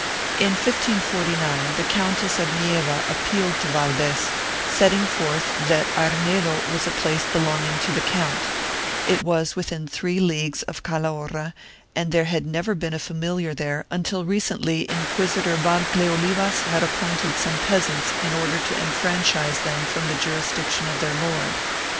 In 1549, the Countess of Nieva ap pealed to Valdes, setting forth that Arnedo was a place belonging to the count; it was within three leagues of Calahorra and there had never been a familiar there until recently Inquisitor Valdeo livas had appointed some peasants in order to enfranchise them from the jurisdiction of their lord.